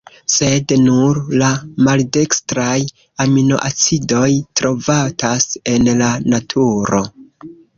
Sed, nur la maldekstraj aminoacidoj trovatas en la naturo.